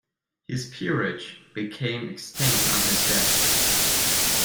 His peerage became extinct on his death.